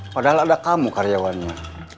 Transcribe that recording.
padahal ada kamu karyawannya